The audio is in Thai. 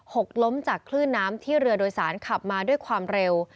กล้มจากคลื่นน้ำที่เรือโดยสารขับมาด้วยความเร็ว